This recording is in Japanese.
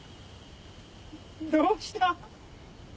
どうした？